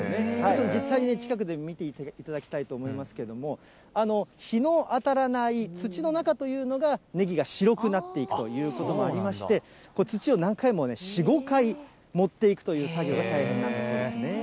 実際に近くで見ていただきたいと思いますけども、日の当たらない土の中というのが、ねぎが白くなっていくということもありまして、土を何回も４、５回持っていくという作業が大変なんだそうですね。